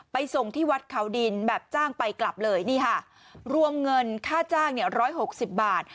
ส่งที่วัดเขาดินแบบจ้างไปกลับเลยนี่ค่ะรวมเงินค่าจ้างเนี่ย๑๖๐บาท